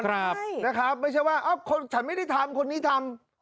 แค่ทีนี้ไม่ใช่ว่าฉันไม่ได้ทำคนนี้ทำ